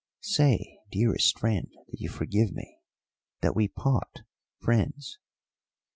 "Say, dearest friend, that you forgive me, that we part friends."